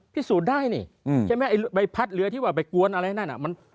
พิสูจน์ได้นี่ใช่ไหมไอ้ใบพัดเรือที่ว่าไปกวนอะไรนั่นน่ะ